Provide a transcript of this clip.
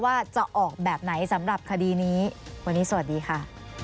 ว่าจะออกแบบไหนสำหรับคดีนี้วันนี้สวัสดีค่ะ